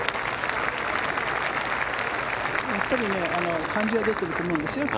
やっぱり感じは出ていると思うんですよ。